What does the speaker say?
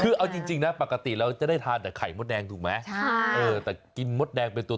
คือเอาจริงนะปกติเราจะได้ทานแต่ไข่มดแดงถูกไหมแต่กินมดแดงเป็นตัว